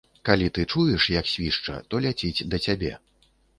Калі ты чуеш, як свішча, то ляціць да цябе.